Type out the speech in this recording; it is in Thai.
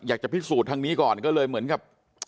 อยากจะพิสูจน์ทางนี้ก่อนก็เลยเหมือนกับ